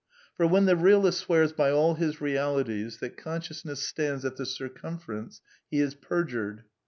Fbr^ when the realist swears by all his realities that consciousness stands at the circumference, he is perjured.